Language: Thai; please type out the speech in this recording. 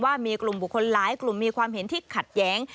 ว่ามีกลุ่มบุคคลหลายกลุ่มมีความเห็นที่ขัดแย้ง